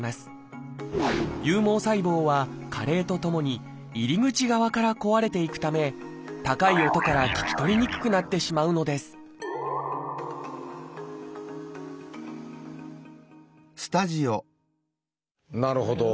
有毛細胞は加齢とともに入り口側から壊れていくため高い音から聞き取りにくくなってしまうのですなるほど。